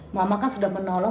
mama sudah menolong